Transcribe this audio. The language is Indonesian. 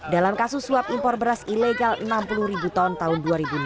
dalam kasus suap impor beras ilegal enam puluh ribu ton tahun dua ribu enam belas